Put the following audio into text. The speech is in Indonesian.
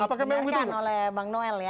oke itu sudah dikenakan oleh bang noel ya